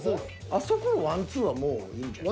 あそこの１２はもういいんじゃない？